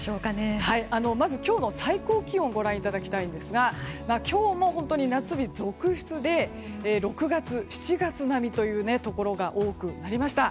まず今日の最高気温をご覧いただきたいんですが今日も本当に夏日続出で６月、７月並みというところが多くありました。